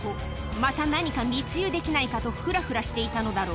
また何か密輸できないかとふらふらしていたのだろう